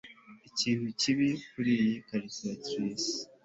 ikintu kibi kuriyi calculatrice